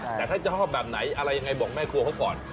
แต่ถ้าจะชอบแบบไหนอะไรยังไงบอกแม่ครัวเขาก่อน